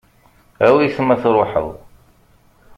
Awi-t ma tṛuḥeḍ.